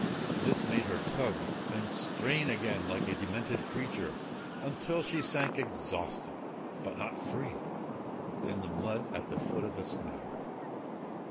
This made her tug and strain again like a demented creature, until she sank exhausted, but not free, in the mud at the foot of the snag.